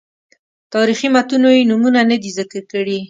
تاریخي متونو یې نومونه نه دي ذکر کړي.